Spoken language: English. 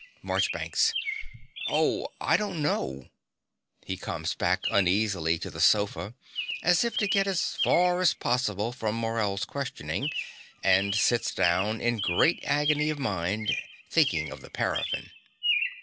MARCHBANKS. Oh, I don't know. (He comes back uneasily to the sofa, as if to get as far as possible from Morell's questioning, and sits down in great agony of mind, thinking of the paraffin.)